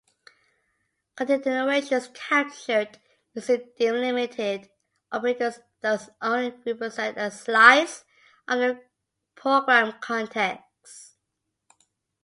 Continuations captured using delimited operators thus only represent a slice of the program context.